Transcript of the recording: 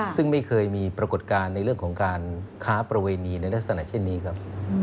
ซึ่งไม่เคยมีปรากฏการณ์ในเรื่องของการค้าประเวณีในลักษณะเช่นนี้ครับ